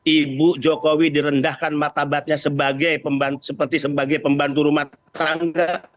ibu jokowi direndahkan matabatnya seperti sebagai pembantu rumah tangga